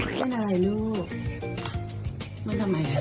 เป็นอะไรลูกมันทำไมล่ะ